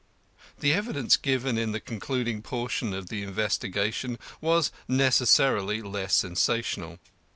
The evidence given in the concluding portion of the investigation was necessarily less sensational.